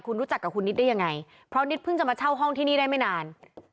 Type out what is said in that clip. คุณรู้จักกับคุณนิดได้ยังไงเพราะนิดเพิ่งจะมาเช่าห้องที่นี่ได้ไม่นาน